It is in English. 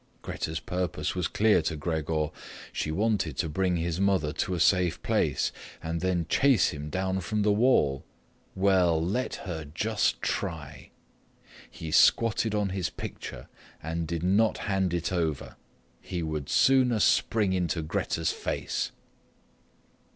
Grete's purpose was clear to Gregor: she wanted to bring his mother to a safe place and then chase him down from the wall. Well, let her just try! He squatted on his picture and did not hand it over. He would sooner spring into Grete's face.